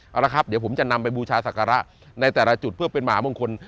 เอาละครับเดี๋ยวผมจะนำไปบูชาศักระในแต่ละจุดเพื่อเป็นมหามงคล